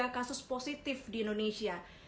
kasus positif di indonesia